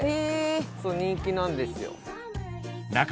悗А繊人気なんですよ。